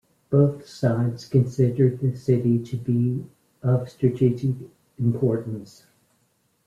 Both sides considered the city to be of strategic importance.